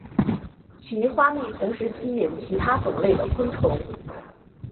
其花蜜同时吸引其他种类的昆虫。